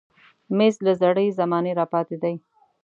مېز له زړې زمانې راپاتې دی.